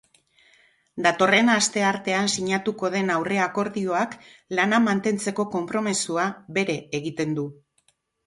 Datorren asteartean sinatuko den aurre akordioak lana mantentzeko konpromezua bere egiten du.